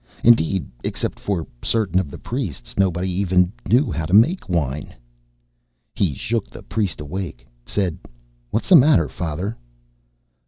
Indeed, except for certain of the priests, nobody even knew how to make wine. He shook the priest awake, said, "What's the matter, Father?"